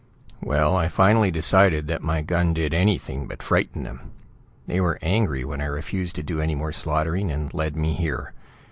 "Well, I finally decided that my gun did anything but frighten them. They were angry when I refused to do any more slaughtering, and led me here.